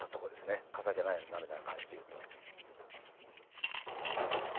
「飾りじゃないのよ涙は」に関して言うと。